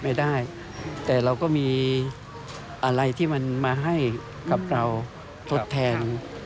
ไม่ได้แต่เราก็มีอะไรที่มันมาให้กับเราทดแทน